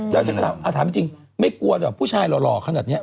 แล้วฉันก็ถามจริงไม่กลัวหรอกผู้ชายหล่อขนาดนี้